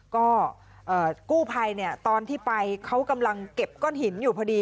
ก็กู้ภัยเนี่ยตอนที่ไปเขากำลังเก็บก้อนหินอยู่พอดี